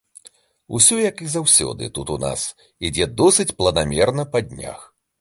Усё як і заўсёды тут у нас, ідзе досыць планамерна па днях.